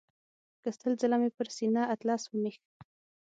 که سل ځله مې پر سینه اطلس ومیښ.